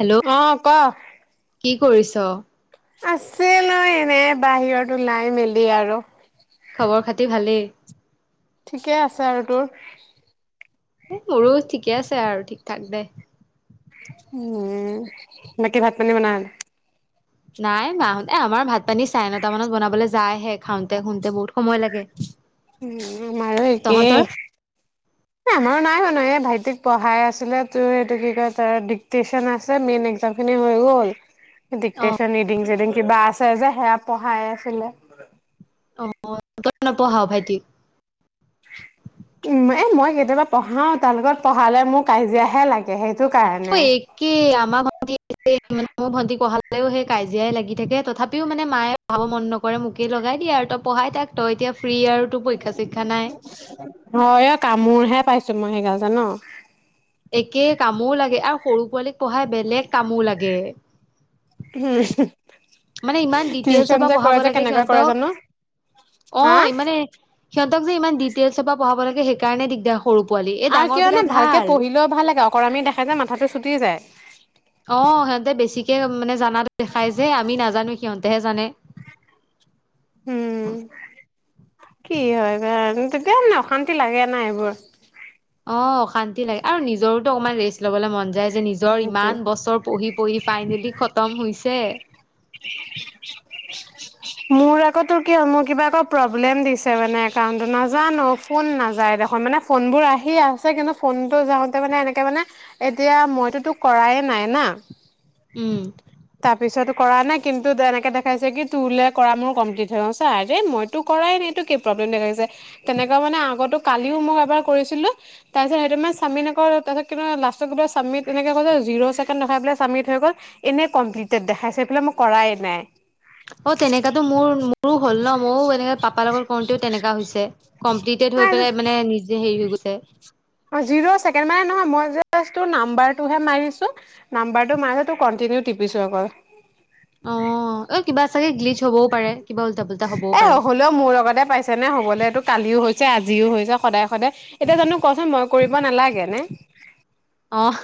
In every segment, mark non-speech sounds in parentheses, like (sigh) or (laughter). Hello অ'হ ক। কি কৰিছ। আছে নহ এনে বাহিৰত ওলাই মেলি আৰু। খবৰ খাতি ভালেই। ঠিকে আছে আৰু তোৰ। এ মোৰো ঠিকে আছে আৰু ঠিক ঠাক দে। উম বাকী ভাত পানী বনাল। নাই মাহতে আমাৰ ভাত পানী চাৰে নটা মানত বনাবলৈ। যায়হে খাওঁতে খুন্দতে বহুত সময় লাগে। উম আমাৰো একে। তহঁতৰ? আমাৰো নাই বনোৱা এই ভাইটিক পঢ়াই আছিলে তোৰ এইটো কি কয় ত ডিগটেশ্যনটো আছে মেইন এক্সজাম খিনি হৈ গ'ল। অ দিগটেশ্যন ইডিং চিডিং। কিবা আছে যে সেয়া পঢ়াই আছিলে। আহ তই নপঢ়াও ভাইটিক। উ এ মই কেতিয়াবা পঢ়াও তাৰ লগত পঢ়ালে মোৰ কাজিয়াহে লাগে সেই। অই একেই আমাক অথনি। মোৰ ভন্টি পঢ়ালেও সেই কাজিয়াই লাগি থাকে তথাপিও মানে মায়ে পঢ়াব মন নকৰে মোকে লগাই দিয়ে আৰু তই পঢ়াই তাক তই এতিয়া। ফ্ৰী আৰু তোৰ পৰীক্ষা চৰীক্ষা নাই। হয় অ কামোৰহে পাইছো। মই সেইগাল যা ন। একে কামোও লাগে আৰু সৰু পোৱালী। পঢ়াই বেলেগ কামো লাগে। উম। মানে ইমান ডিটেইলছৰ পৰা পঢ়াব যে লাগে কেনেকুৱা কৰে জানো সিহতক অ হা মানে সি। যে ইমান ডিটেইলছৰ পৰা পঢ়াব লাগে সেইকাৰণে দিগদাৰ হয়। আৰু কিয়নো ভালকে পঢ়িলেও ভাল লাগে অকৰামি দেখায় যে মাথাটো চুটি যায়। অ সিহঁতে বেছিকে মানে জানাতো দেখাই যে আমি নাজানো সিহঁতে। তেহে জানে। উম কি হয় বা তেতিয়া মানে অশান্তি লাগে নাই এইবোৰ। অ অশান্তি লাগে আৰু নিজৰোতো অকমান ৰেষ্ট লবলৈ মন যায় নিজৰ ইমান বছৰ পঢ়ি পঢ়ি ফাইনেলি খতম হৈছে। মোৰ আকৌ কি মোৰ কিবা আকৌ প্ৰব্লেম দিছে মানে এ নাজানো ফোন নাযায় দেখোন মানে ফোনবোৰ আহি আছে কিন্তু ফোনতটো যাওঁতে মানে এনেকে মানে এতিয়া মই। তো কৰায় নাই না। উম। তাৰপিছত কৰা নাই কিন্তু তেনেকে দেখাইছে কি তোলে কৰা মোৰ কমপ্লিট হৈ গৈছে আৰে মইতো কৰাই ন এইটো কি প্ৰব্লেম দেখাইছে তেনেকুৱা মানে আগতো কালিও মই এবাৰ কৰিছিলো তাৰপিছত সেইটো যে চাবমিট তাৰপিছত চাবমিট তেনেকে জিৰোছেকেন দেখায় পেলাই চাবমিট হৈ গ'ল এ। কমপ্লিট দেখাইছে বোলে মই কৰায় নাই। অ তেনেকাতো মোৰ। ৰো হ'ল ন ময়ো এনেকে পাপাৰ লগত কৰোতেও তেনেকা হৈছে। কমপ্লিটে হৈ পেলাই মানে নিজে হেৰি হৈ গৈছে। এক। জিৰো ছেকেন মানে নহয় মই যাচ নাম্বাটোহে মাৰিচো নাম্বাৰটো মাৰোতেও কন্টিনিউ টিপিছো আক। অ অ কিবা চাগে গ্লিজ হবও পাৰে কিবা উল্টা পাল্টা হবও এ পাৰে। হ'লেও যে আজিও হৈ হৈছে সদায় সদায়। এতিয়া জানো। কৰিব নালাগে নে। আহ।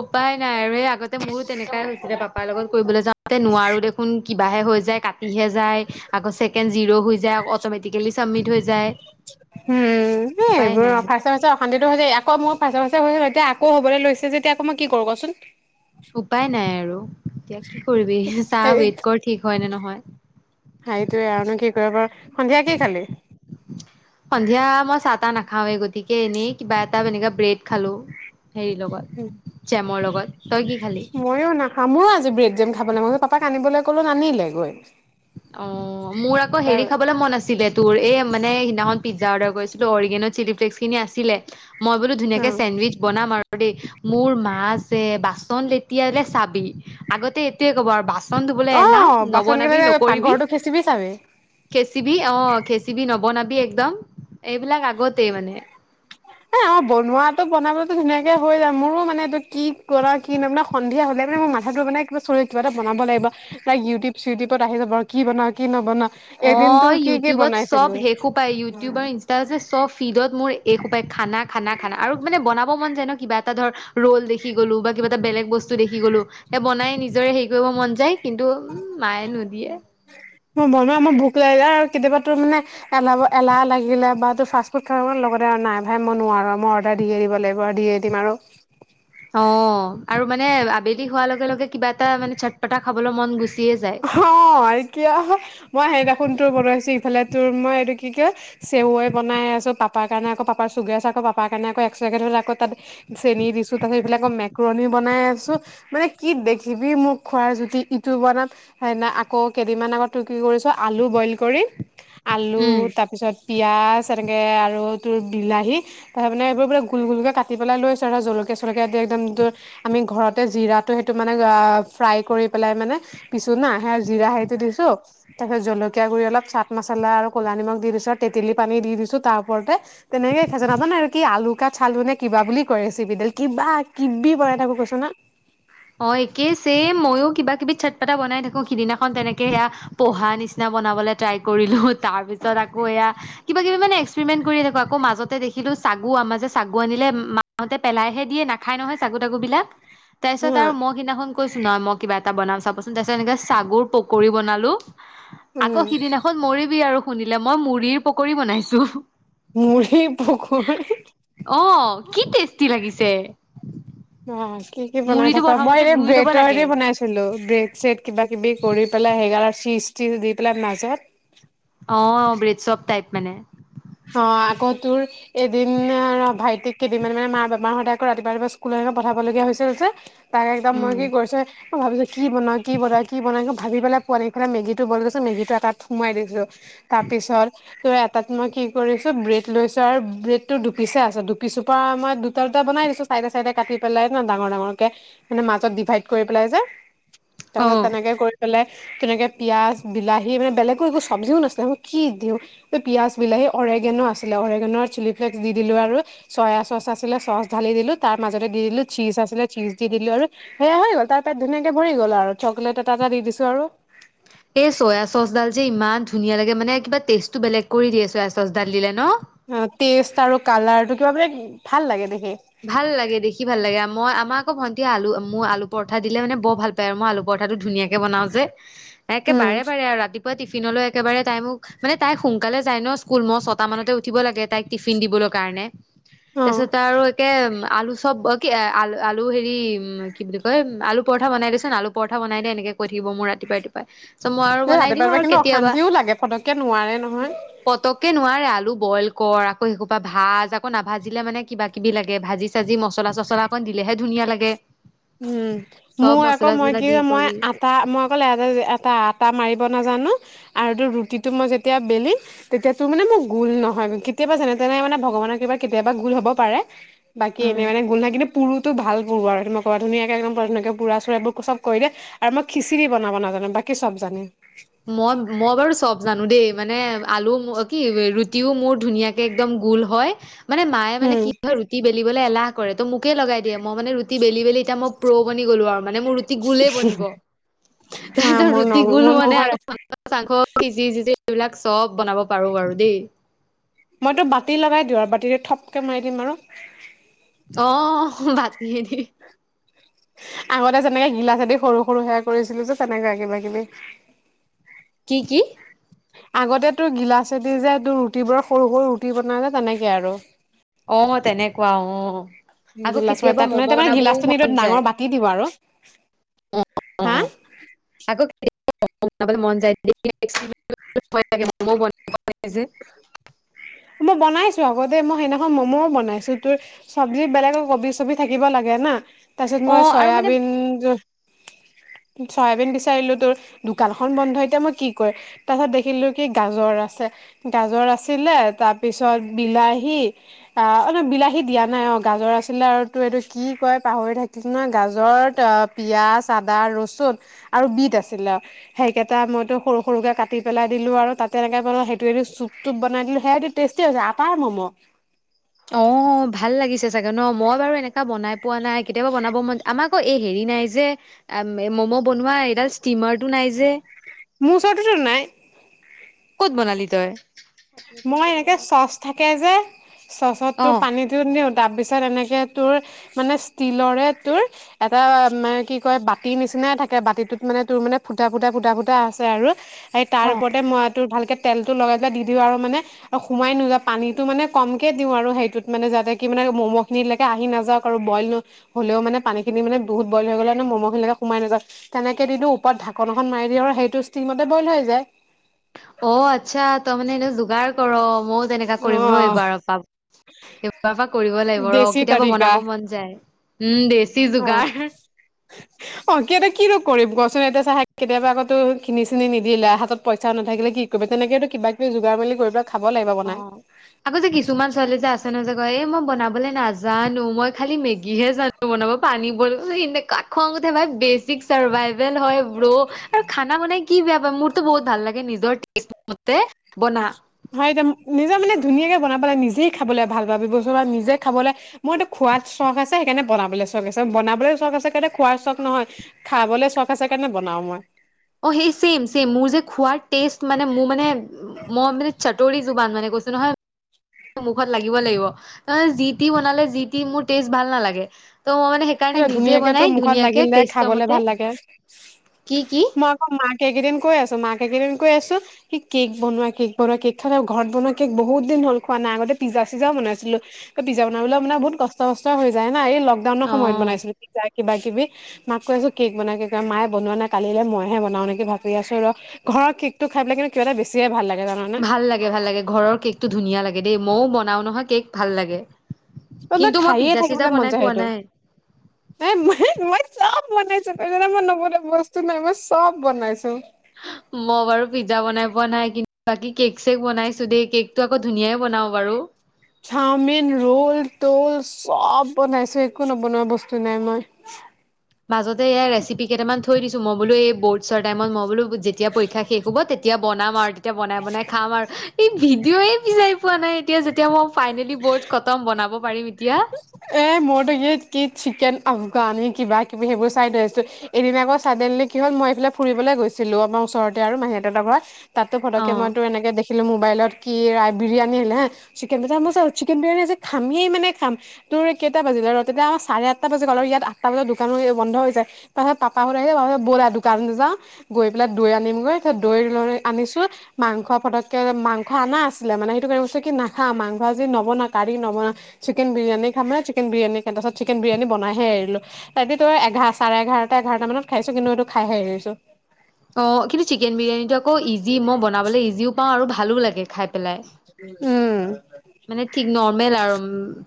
উপাই নাই আৰু এই আগতে মোৰো তেনেকাই হৈছিলে পাপাৰ লগত কৰিবলৈ যাওঁতে নোৱাৰো দেখোন। কিবাহে হৈ যায়, কাটিহে যায়। আকৌ ছেকেণ্ড জিৰ' হৈ যায়, অট'মেটিকেলি ছাবমিট হৈ যায়। হুম উপায় এইবোৰ নাই আৰু, ফাষ্টে-ফাষ্টে অশান্তিটো হৈছে, ইয়াক আকৌ মোৰ পাছে-পাছে হৈ হ'ল এতিয়া আকৌ হ'বলৈ লৈছে যেতিয়া আকৌ মই কি কৰো ক'চোন? উপায় নাই আৰু। এতিয়া কি কৰিবি? চাহ সেই ৱেইট কৰ ঠিক হয় নে নহয়। সেইটোৱে আৰুনো কি কৰিব পাৰোঁ! সন্ধিয়া কি খালি? সন্ধিয়া মই চাহ-তাহ নাখাওৱে গতিকে এনেই কিবা এটা এনেকে ব্ৰেড খালো। হেৰি লগত, জেমৰ লগত। তই কি খালি? ময়ো নাখাওঁ মোৰো আজি ব্ৰেড জেম খাবলৈ (unintelligible) পাপাক আনিবলৈ কলো, নানিলে গৈ! অ' মোৰ আকৌ তাৰ হেৰি খাবলে মন আছিলে তোৰ এই মানে! দিনাখন পিজ্জা অৰ্ডাৰ কৰিছিলো, অৰিগেন', চিলিফ্লেগচখিনি আছিলে। মই বোলো ধুনীয়াকে অ', চেণ্ডুইচ বনাম আৰু। দেই মোৰ মা যে বাচন লেটিয়ালে চাবি, আগতে এইটোয়ে ক'ব আৰু বাচন চন ধুবলে এলাহ, অ', বাচন নবনাবি কেইটা নক কৰিবি, পাকঘৰটো খেচিবি চাবি। খেচিবি, অ' (unintelligible) নবনাবি একদম। এইবিলাক আগত এ অ' বনোৱাটো বনাবতো ধুনীয়াকে তে হৈ যায় মোৰো মানে এইটো কি কৰা কি নাই, সন্ধিয়া হ'লে মানে মোৰ মাথাটো মানে কিবা চ কিবা এটা বনাব লাগিব, লাইক ইউটিউব-চিউটিউবত আহি যাব আৰু কি বনাও কি নবনাও! এদিনতো অ' কি কি ইউটিউবত চব বনাইছিলো। শেষো পায়, ইউটিউব আৰু ইনষ্টাত যে চব ফিডত মোৰ এইসোপা খানা, খানা, খানা আৰু মানে বনাব মন যায় ন কিবা এটা ধৰ, ৰল দেখি গ'লো বা কিবা এটা বেলেগ বস্তু দেখি গ'লো ।এয়া বনাই নিজৰে হেৰি কৰিব মন যায় কিন্তু উ মায়ে নুদিয়ে মই বনোৱা মোৰ ভোক কেতিয়াবা তোৰ মানে এল-এলাহ লাগিলে বা তেওঁৰ ফাষ্টফুড খাব (unintelligible) লগতে আৰু নাই ভাই মই নোৱাৰো। মই অৰ্ডাৰ দিয়ে দিব লাগিব দিয়ে দিম আৰু। অ' আৰু মানে আবেলি হোৱাৰ লগে লগে কিবা এটা মানে চাটপতা খাবলৈ মন গুচ অ' কিয় মই সেইদিনা তোৰ বনাইছো ইফালে তোৰ মই এইটো কি কয় চেৱৈ বনাই আছো, পাপাৰ কাৰণে আকৌ পাপাৰ চুগাৰ আছে আকৌ পাপাৰ কাৰণে আকৌ এক্সট্ৰাকে থৈ পেলাই আকৌ তাত চেনি দিছো তাৰপিত ইফালে আকৌ মেকৰনি বনাই আছো। মানে কি দেখিবি মোক খোৱাৰ জুতি, ইটো বনাম সেইদিনা আকৌ কেইদিনমান আগত তোৰ কি কৰিছো আলু বইল কৰি। আলু, উম। তাৰপিছত পিঁয়াজ, এনেকৈ আৰু তোৰ বিলাহী তাৰ মানে এইবোৰ মানে গোল-গোলকৈ কাটি পেলাই লৈছোঁ আৰু ধৰ জলকীয়া-চলকীয়া দি একদম তেওঁৰ আমি ঘৰতে জিৰাটো সেইটো মানে ফ্ৰাই কৰি পেলাই মানে পিছু না, সেই জিৰা হেৰিটো দিছো তাৰপিছত জলকীয়াগুৰি অলপ, চাট-মচলা আৰু ক'লা নিমখ দি দিছো আৰু তেঁতেলী-পানী দি দিছো তাৰ ওপৰতে। তেনেকে খাইছ নাজানে আৰু কি আলু ক চালু নে কিবা বুলি কয় ৰেচিপিডাল কিবাকিবি বনাই থাকো কৈছোঁ না অ' একেই চেম, মইও কিবাকিবি চটপাতা বনাই থাকো, সিদিনাখন তেনেকে সেয়া প'হা নিচিনা বনাবলে ট্ৰাই কৰিলো, তাৰপিছত আকৌ এয়া কিবাকিবি মানে এক্সপেৰিমেন্ট কৰি থাকো, আকৌ মাজতে দেখিলো চাগু আমা যে চাগু আনিলে মাহঁতে পেলাইহে দিয়ে নাখায় নহয় চাগু-তাগু বিলাক। হা তাৰ ম সিদিনাখন কৈছো নহয় মই কিবা এটা বনাম চাবচোন, তাৰ পিছত এনেকে চাগুৰ পকৰি বনালো। উম আকৌ সিদিনাখন মৰিবি আৰু- শুনিলে মই মুড়িৰ পকৰি বনাইছো। মুড়ি পকৰী অ কি টেষ্টি লাগিছে। অ কি কি বনাই মুড়িটো থাক, মই প্ৰথমতে এ ধুই ল'ব ব্ৰেডৰ লাগে বনাইছিলো ব্ৰেড ছেড- কিবা কিবি কৰি পেলাই সেগাৰ ছিজটীজ দি পেলাই মাজত- অ ব্ৰেড চব টাইপ মানে। অ আকৌ তোৰ এদিন ভাইটিক কেইদিনমান মানে মা বাপাৰ বেমাৰ হওতে আকৌ ৰাতিপুৱা ৰাতিপুৱা স্কুললৈ পঠাবলগীয়া হৈছিল যে, তাক একদম মই উম কি কৰিছে। অ ভাবিছো কি বনাওঁ, কি বনাওঁ, কি বনাওঁ ভাবি পোৱা মেগীটো মেগীটো তাত সোমাই দিছো। তাৰ পিছত ত এটাত মই কি কৰিছো, ব্ৰেড লৈছো আৰু ব্ৰেড টো দুপিচ আছে। দুপিচৰ পৰা মই দুটা দুটা বনাই দিছো চাইডে চাইডে কাটি পেলাই ন ডাঙৰ ডাঙৰ কে মানে মাজত ডিভাইড কৰি পেলাই যে। তাৰ পিছত অ', তেনেকে কৰি পেলে। তেনেকে পিঁয়াজ, বিলাহী মানে বেলেগো একো চব্জিও নাছিলে মানে কি দিওঁ পিঁয়াজ, বিলাহী। অৰেগেনো আছিলে অৰেগেনৰ চিলি ফ্লেকস্ দি দিলো আৰু চয়া চচ আছিলে চচ ঢালি দিলো তাৰ মাজতে দি দিলো চীজ আছিলে চীজ দি দিলো আৰু সেয়া হৈ গ'ল তাৰ পেট ধুনায়াকে ভৰি গ'ল আৰু চকলেট এটা এটা দি দিছো আৰু- এ চয়া চচডাল যে ইমান ধুনীয়া লাগে মানে কিবা টেষ্টটো বেলেগ কৰি দিয়ে চয়া চচডাল দিলে ন। অ টেষ্ট আৰু কালাৰটো কিবা বোলে ভাল লাগে দেখ- ভাল লাগে দেখি ভাল লাগে, মই আমাক- আকৌ ভন্টিয়ে আলু মোৰ আলু পৰঠা দিলে মানে বৰ ভাল পায় আৰু মই আলু পৰঠাটো ধুনীয়াকে বনাও যে। তাকে একে উম বাৰে বাৰে আও ৰাতি। টিফিনলৈ একেবাৰে তাই মোক, মানে তাই সোনকালে যায় ন স্কুল মই ছটা মানতে উঠিব লাগে তাইক টিফিন দিবলৈ কাৰণে। অ তাৰ পিছত আৰু এমা আলু চব অ কি আল আলু হেৰি কি বুলি কয় আলু পৰঠা বনাই দেচোন আলু পৰঠা বনাই দিয় এনেকে কৈ- মোৰ ৰাতিপুৱাই ৰাতিপুৱাই চ মই আৰু এই বনাই ৰাতিপুৱা দিওঁ ৰাতিপুৱা আৰু কিন্তু কেতিয়াবা অশান্তিও লাগে পতককে নোৱাৰে নহয় পতককে নোৱাৰে। আলু বইল কৰ আকৌ সেই সোপা ভাজ আকৌ নাভাজিলে মানে কিবা। কিবি লাগে ভাজি চাজি মচলা চচলা অকণ দিলেহে ধুনীয়া লাগে। উম চব মোৰ আকৌ মছলা মই চছলা কি দি মই কৰি আটা মই অকল এটা আটা মাৰিব নাজানো। আৰু তোৰ ৰুটিটো মই যেতিয়া বেলিম তেতিয়া তোৰ মানে মোৰ গোল নহয়, কেতিয়াবা যেনে তেনে মানে ভগৱানৰ কৃপাত কেতিয়াবা গোল হ'ব পাৰে। বাকী অ এনে মানে গোল নাই কিন্তু পুৰো তো ভাল পুৰো আৰু সেইটো ন পুৰা ধুনীয়াকে একদম বৰ ধুনীয়াকৈ পুৰা চু়ৰা কৰি দিয়ে আৰু মই খিচিৰি বনাব নাজানিম বাকী চব জানিম। মই মই বাৰু চব জানো দেই। মানে আলু কি ৰুটিও মোৰ ধুনীয়াকে একদম গোল হয়। মানে মায়ে মানে উম, কি হয় ৰুটি বেলিবলে এলাহ কৰে ত মোক মোকে লগাই দিয়ে মানে, মই ৰুটি বেলি বেলি এতি মই প্ৰ' বনি গ'লো আৰু। মানে মোৰ ৰুটি গোলে বনিব হা তাৰপিছ মোৰ ন ৰুটি গোল মোৰ মানে। নহৰে ম চি (inaudible) সেইবিলাক চব বনাব পাৰোঁ বাৰু দেই। মইতো বাতি লগাই দিওঁ আৰু বাতিটো থপকে, মাৰি দিম আৰু। আহ বাতি য়ে দি। আগতে যেনেকে গিলাচে দি সৰু সৰু সেয়া কৰিছিলো, যে তেনেকুৱা কিবা কিবি। কি কি। আগতে তোৰ গিলাচেদি যায় তোৰ ৰুটিবোৰ সৰু সৰু ৰুটি বনাই যে তেনেকে আৰু। আহ তেনেকুৱা আহ আকৌ গিলাচৰ কেতিয়াবা, তাত মম' মানে তাৰমানে বনাবও গিলাচটো নিদো মন ডাঙৰ যায় বাতি দিব আৰু অহ হা অহ আকৌ। (unintelligible) যে। মই বনাইছো আকৌ দেই মই সেইদিনাখন, ম'ম'ও বনাইছো তোৰ চব্জি বেলেগৰ কবি চবি থাকিব লাগে না। তাৰপিছত মই অ', আৰু মানে চয়াবিন। চয়াবিন বিচাৰিলো তোৰ দোকানখন বন্ধ এতিয়া মই কি কৰিম তাৰ পিছত দেখিলো কি গাজৰ আছে। গাজৰ আছিলে তাৰপিছত বিলাহী অ অ ন বিলাহী, দিয়া নাই অ গাজৰ আছিলে আৰু তাৰ এইটো কি কয় পাহৰি থাকি ন গাজৰত অ পিয়াজ আদা ৰচুন আৰু বিট আছিলে অ সেইকেইটা মইতো সৰু সৰুকে কাটি পেলাই দিলো আৰু তাতে এনেকে বন। তটো চুপ চুপ বনাই দিলো সেইয়টো টেষ্টি হৈছে আটাৰ ম'ম'। অ ভাল লাগিছে চাগে ন মই বাৰু এনেককা বনাই পোৱা নাই কেতিয়াবা বনাব মন আমাৰ এই হেৰি নাই যে মম' বনোৱা এইডাল ষ্টিমাৰটো নাই যে। মোৰ ওচৰটো নাই। ক'ত বনালি তই। মই এনেকে চচ থাকে যে। চচত তো অ', পানীতো নিও। তাৰপিছত এনেকে তোৰ মানে ষ্টীলৰে তোৰ এটা মানে কি কয় বাতি নিচিনাই থাকে বাতিটোত মানে তোৰ মানে ফুটা ফুটা ফুটা ফুটা আছে আৰু। এই তাৰ অ', ওপৰতে মই তোৰ ভালকে। তেলটো লগাই পেলায় দি দিওঁ আৰু। মানে আৰু সোমাই নোজোৱাউ পানীতটো মানে কমকে দিওঁ আৰু সেইটোত মানে যাতে কি মানে ম'ম' খিনিলৈকে আহি নাযাওক আৰু বইল নহ হলেও মানে পানী খিনি মানে বহুত বইল হৈ গ'লে মানে ম'ম খিনিলকে সোমাই নাযাওক তেনেকে দিওঁ ওপৰত ঢাকন এখন দি দিওঁ আৰু সেইটো ষ্টীমতে বইল হৈ যায়। অ আচ্ছা তই মানে এনে যোগাৰ কৰ মই। তেনেকুৱা অ কৰিম ৰ এইবাৰৰ পৰা এইবাৰৰ পৰা কৰিব লাগিব ৰ দেশী কেতিয়াবা তৰিকা বনাব মন যায় উম দেছি অ যোগাৰ। অ কেতিয়া কিনো কৰিম কচোন কেতিয়াবা আকতো খিনি চিনি নিদে হাতত পইচা নাথাকিলে কি কৰিব তেনেকেতো কিবা কিবি যোগাৰ মেলি কৰিবা। খাব লাগিব অ বনাই। আকৌ যে কিছুমান ছোৱালী যে আছে নহয় যে এই মই বনাব। নাজানো মই খালি মেগীহে জানো বনাব পানী বইল এনেকুৱা খং উঠে ভাই হয় ব্ৰ আৰু খানা বনাই কি বেয়া পোৱা মোৰতো বহুত ভাল লাগে নিজৰ। বনা। হয় এয়া নিজে মানে ধুনীয়াকে বনাব লে নিজেই খাবলৈ ভাল পাবি বস্তু নিজে খাবলৈ মোৰ এইটো খাত চখ আছে সেইকাৰণে বনাবলৈ চখ আছে বনাবলৈ চখ আছে কাৰণে খোৱাৰ চখ নহয় খাবলৈ চখ আছে কাৰণে বনাওঁ মই। ছেইম ছেইম মোৰ যে খোৱাৰ টেষ্ট মানে মোৰ মানে মই মানে। চটোৰী। জোবান মানে কৈছো নহয়। মুখত লাগিব লাগিব তাৰমানে যি টি বনালে যি টি মোৰ টেষ্ট ভাল নালাগে। ত' মই মানে সেইকাৰণে এ নিজে ধুনীয়াকে বনাই তোৰ মুখত ধুনীয়াকে লাগিল দে টেষ্টৰ খাবলে মতে ভাল লাগে কি কি ।মই আকৌ মাক কেইকেইদিন কৈ আছো মাকেই কেইদিন কৈ আছো ।সি কেক বনোৱা কেক বনোৱা কেক থ ঘৰত বনোৱা কেক বহুত দ হল খোৱা নাই। আগতে পিজা চিজা বনাইছিলো পিজ্জা বনাবলৈ মানে বহুত কষ্ট কষ্ট হৈ যায় না এই লকডাউন। সময়ত অ বনাইছিলো। কিবা কিবি মাক কৈ আছো ।কেক বনাই কে ক মায়ে বনোৱা না কালিলে মইহে বনাও নেকি ভাবি আছো ।ৰ ঘৰ কেকটো খাইপেলাই কিন্তু কিবা এটা বেছিয়ে ভাল লাগে। জানানে ভাল লাগে ভাল লাগে ঘৰৰ কেক টো ধুনীয়া লাগে দেই মইও বনাও নহয় কেক ভাল লাগে। তই কিন্তু মই খাইে পিজ্জা চিজ্জা থাকিবলে মন বনাই যায় পোৱা সেইটো নাই মই। বনাইছো এইজ মই নবনোৱা বস্তু নাই মই চব বনাইছো। মই বাৰু পিজ্জা বনাই পোৱা নাই ।কিন্তু বাকী কেক চেক বনাইছো দেই কেকটো আকৌ ধুনাই বনাও বাৰু। চাওমিন ৰোল তল চব বনাইছো একো নবনোৱা বস্তু নাই মই। মাজতে এয়া ৰেচিপি। কেইটামান থৈ দিছো মই বোলো এই বৰ্ড। চটাইমত মইবলো। যেতিয়া পৰীক্ষা শেষ হব তেতিয়া বনাম আৰু তেতিয়া বনাই বনাই খাম আৰু এই ভিডিঅ'য় বিছাৰি পোৱা নাই এতিয়া। তেওঁৱ। ফাইনেলি বৰ্ খতম বনাব। পাৰিম এতিয়া। এ মইতো ই কি চিকেন আফগান কিবা কিবি সেইবোৰ চাই থৈ আছো ।এদনা আকৌ ছডেনলি কি হ'ল মই এইফালে ফুৰিবলৈ গৈছিলো আমাৰ ওচৰতে আৰু মাহীহতৰ ঘৰত। তাতো অ ফটকে মইতো এনেক দেখিলো মোৰ। মোবাইলত কি ৰা বিৰিয়ানি হিলে হ চিকেন মই চিকেন বিৰিয়ানী আজি খামেই মানে খাম। তোৰ কেইটা বাজিলে ৰ তেতিয়া চাৰে আঠটা বাজি গল আৰু ইয়াত আঠটা বজাত দোকান হৈ বন্ধ হৈ যায়। তাৰপাছত পাপাহ সু আহি ব'লা আৰু দোকানত যাওঁ গৈ পেলাই দৈ আনিমগৈ দৈ আনিছো মাংস পটকে মাংস অনা আছিলে মানে সেইটো কি নাখা মাংস নবনাও কাৰি নবনাও চিকেন বিৰিয়ানী। চিকেন বিৰিয়ানী পাছত চিকেন বিৰিয়ানী বনাই হে এৰিলো ।তাই তই এঘাৰ চাৰে এঘাৰটা এঘাৰটা মানত খাইছো কিন্তু এইটো খাইহে আহিছো। অঁ কিন্তু চিকেন বিৰিয়ানীটো আকৌ ইজি মই বনাবলে ইজিও পাওঁ আৰু ভাল। ভালো লাগে খাই পেলাই। উম। মানে ঠিক নৰ্মেল আৰু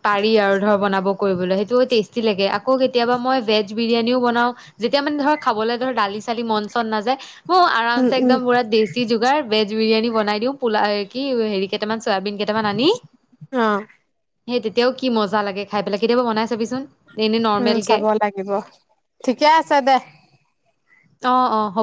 পাৰি আৰু ধৰ বনাব কৰিবলৈ সেই। টেষ্টি লাগে আকৌ কেতিয়াবা মই ভেজ বিৰিয়ানিও বনাও ।যেতিয়া মানে ধৰ খাবলৈ ধৰ দালি চালি মন চন নাযায়। ম উম আৰামছে উম একদম পুৰা দেশি যুগাৰ ভেজ বিৰিয়ানী। বনাই দিওঁ পোলাও। কি হেৰি কেইটামান চয়াবিন কেইটামান আনি। অহঁ। সেই তেতিয়াও কি মজা লাগে খাই পেলাই কেতিয়াবা বনাই। চাবিচোন এনেই উম নৰ্মেল কে চাব লাগিব ঠিকে আছে দে। অ' অ' হ'ব